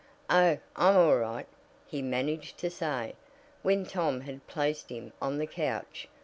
"Oh, I'm all right," he managed to say, when Tom had placed him on the couch.